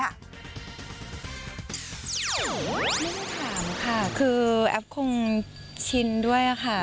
ไม่ได้ถามค่ะคือแอฟคงชินด้วยค่ะ